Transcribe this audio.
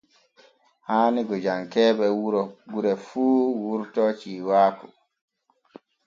Haani gojankee ɓe gure fu wurto ciiwaaku.